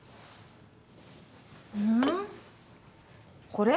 これ？